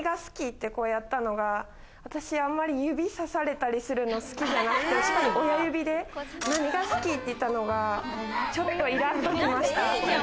って、こうやったのが私、あんまり指さされたりするの、好きじゃなくて、しかも親指で何が好き？って言ったのがちょっとイラッときました。